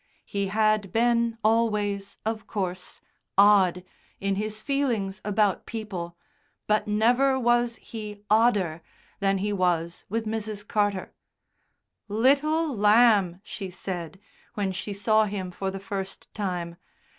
He had been always, of course, "odd" in his feelings about people, but never was he "odder" than he was with Mrs. Carter. "Little lamb," she said, when she saw him for the first time.